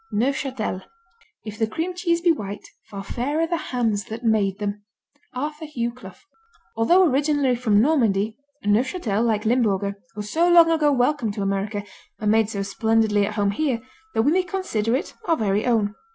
Neufchâtel If the cream cheese be white Far fairer the hands that made them. Arthur Hugh Clough Although originally from Normandy, Neufchâtel, like Limburger, was so long ago welcomed to America and made so splendidly at home here that we may consider it our very own.